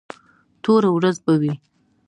توره ورځ به وي.